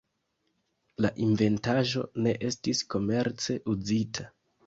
La inventaĵo ne estis komerce uzita.